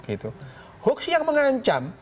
gitu hoax yang mengancam